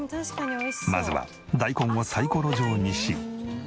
まずは大根をサイコロ状にし。